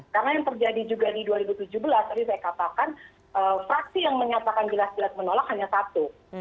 karena yang terjadi juga di dua ribu tujuh belas tadi saya katakan fraksi yang menyatakan jelas jelas menolak hanya satu